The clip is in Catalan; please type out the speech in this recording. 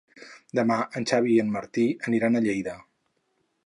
Demà en Xavi i en Martí aniran a Lleida.